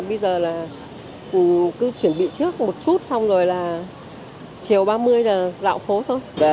chỉ là cứ chuẩn bị trước một chút xong rồi là chiều ba mươi là dạo phố thôi